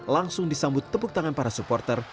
langsung disambut tepuk tangan para supporter